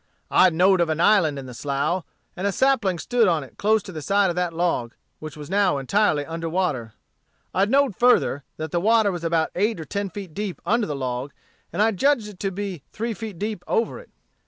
"I know'd of an island in the slough, and a sapling stood on it close to the side of that log, which was now entirely under water. I know'd further, that the water was about eight or ten feet deep under the log, and I judged it to be three feet deep over it.